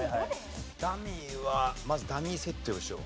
ダミーはまずダミー設定をしよう。